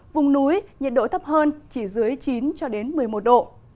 vùng núi nhiệt độ thấp hơn chỉ dưới chín cho đến một mươi một độ